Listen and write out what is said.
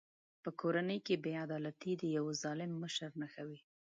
په کورنۍ کې بې عدالتي د یوه ظالم مشر نښه وي.